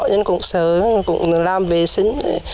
nên cũng sớm cũng làm vệ sinh